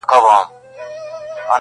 د حق وینا یمه دوا غوندي ترخه یمه زه,